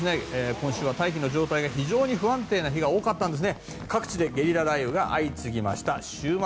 今週は大気の状態が不安定な日が多かったんです。